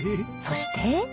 そして。